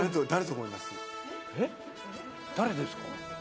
誰ですか？